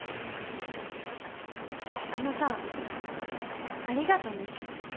あのさありがとね。